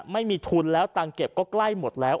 ไม่มีทุนแล้วตังค์เก็บก็ใกล้หมดแล้ว